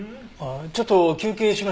ちょっと休憩しましょうか。